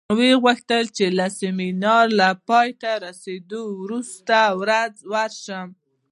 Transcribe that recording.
ویې غوښتل چې د سیمینار له پای ته رسېدو وروسته ورځ ورشم.